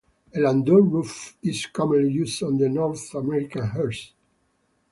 A landau roof is commonly used on the North American hearse.